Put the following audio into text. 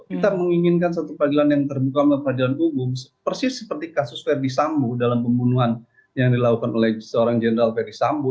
kita menginginkan satu peradilan yang terbuka melalui peradilan umum persis seperti kasus verdi sambo dalam pembunuhan yang dilakukan oleh seorang jenderal ferry sambo